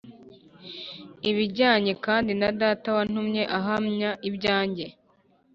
ibyanjye kandi na Data wantumye ahamya ibyanjye